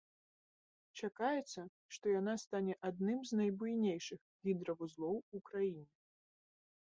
Чакаецца, што яна стане адным з найбуйнейшых гідравузлоў у краіне.